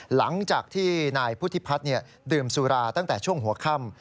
หลังจากที่นายพุทธิพัฒน์ดื่มสุราตั้งแต่ช่วงหัวค่ำ